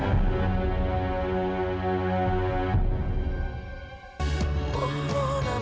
kayak apa siap berjalan